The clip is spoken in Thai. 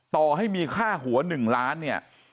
ต่อให้มีค่าหัว๑ล้านเนี่ย